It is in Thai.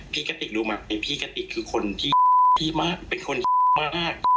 กะติกรู้ไหมพี่กะติกคือคนที่มากเป็นคนมาก